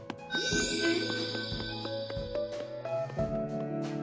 えっ？